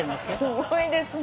すごいですね。